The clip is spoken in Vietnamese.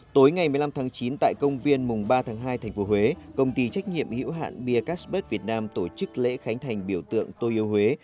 tối ngày một mươi năm tháng chín tại công viên mùng ba tháng hai thành phố huế công ty trách nhiệm hữu hạn beer casper việt nam tổ chức lễ khánh thành biểu tượng tôi yêu huế